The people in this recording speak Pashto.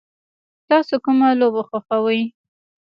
تاسو کومه لوبه خوښوئ؟